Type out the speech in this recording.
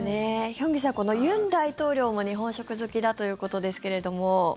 ヒョンギさん、尹大統領も日本食好きだということですけれども。